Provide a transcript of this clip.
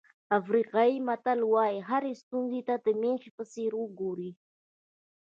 افریقایي متل وایي هرې ستونزې ته د مېخ په څېر وګورئ.